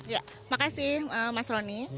ya makasih mas roni